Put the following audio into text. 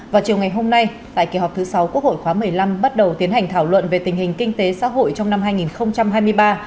vào chiều ngày hôm nay tại kỳ họp thứ sáu quốc hội khóa một mươi năm bắt đầu tiến hành thảo luận về tình hình kinh tế xã hội trong năm hai nghìn hai mươi ba